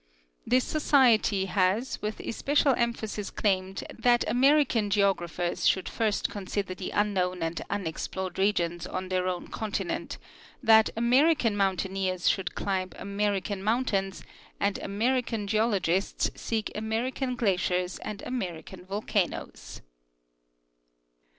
This Society has with especial emphasis claimed that American geog The untrodden Field of Alaska. 179 raphers should first consider tlie unknown and unexplored regions on their own continent; that American mountaineers should climb American mountains, and American geologists seek American glaciers and American volcanoes.